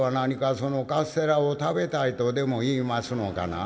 そのカステラを食べたいとでも言いますのかな？」。